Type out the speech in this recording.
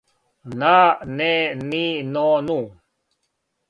на , не , ни , но , ну